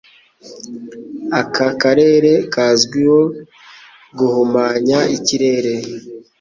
Aka karere kazwiho guhumanya ikirere